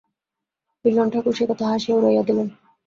বিল্বন ঠাকুর সে কথা হাসিয়া উড়াইয়া দিলেন।